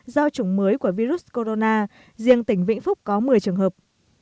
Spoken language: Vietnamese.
do chủng mới của virus corona riêng tỉnh vĩnh phúc có một mươi trường hợp